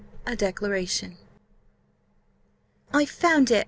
A DECLARATION. "I've found it!